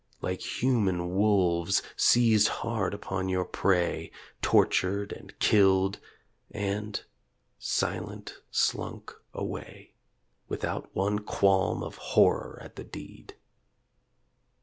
. Like human wolves, seized hard upon your prey, Tortured and killed ... and, silent slunk away Without one qualm of horror at the deed.